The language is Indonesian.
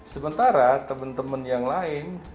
sementara teman teman yang lain